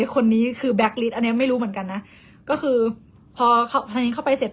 คนนี้คือแบ็คลิสต์อันนี้ไม่รู้เหมือนกันนะก็คือพอทางนี้เข้าไปเสร็จ